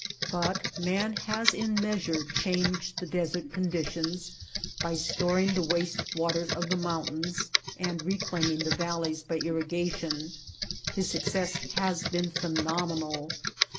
But man has in measure changed the desert conditions by storing the waste waters of the mountains and reclaiming the valleys by irriga tion. His success has been phenomenal.